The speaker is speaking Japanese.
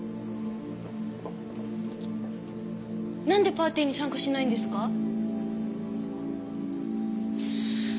何でパーティーに参加しないんですか？